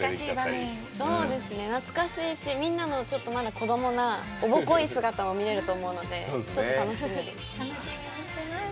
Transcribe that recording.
結構懐かしいしみんなもまだ子どもなおぼこい姿を見れると思うのでちょっと楽しみです。